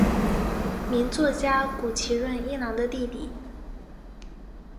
名作家谷崎润一郎的弟弟。